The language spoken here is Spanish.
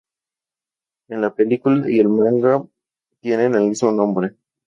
En la película y el manga tienen el mismo nombre.